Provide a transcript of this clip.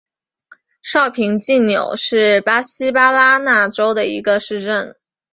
绍平济纽是巴西巴拉那州的一个市镇。